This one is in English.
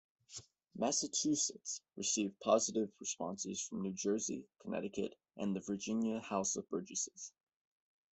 Massachusetts received positive responses from New Jersey, Connecticut, and the Virginia House of Burgesses.